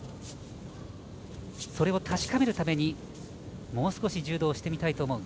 それを確かめるためにもう少し柔道をしてみたいと思う。